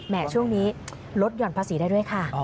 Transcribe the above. ช่วงนี้ลดหย่อนภาษีได้ด้วยค่ะ